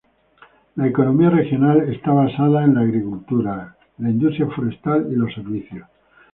La economía regional es basada sobre la agricultura, la industria forestal y los servicios.